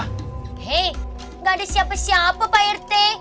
hei gak ada siapa siapa pak rt